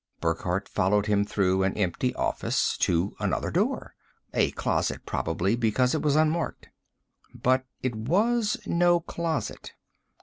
Burckhardt followed him through an empty office, to another door a closet, probably, because it was unmarked. But it was no closet.